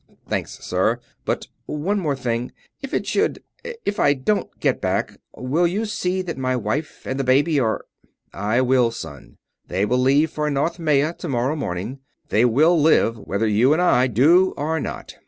"Thanks, sir. But one more thing. If it should if I don't get back will you see that my wife and the baby are...?" "I will, son. They will leave for North Maya tomorrow morning. They will live, whether you and I do or not.